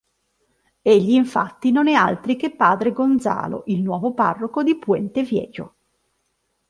Egli, infatti non è altri che Padre Gonzalo, il nuovo parroco di Puente Viejo.